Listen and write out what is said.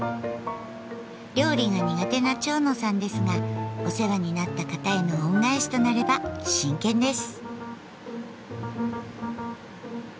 料理が苦手な蝶野さんですがお世話になった方への恩返しとなれば真剣です。